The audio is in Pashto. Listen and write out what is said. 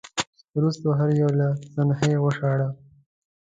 وروسته هر یو له صحنې وشاړه